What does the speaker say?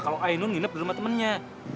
kalo ainun nginep di rumah temennya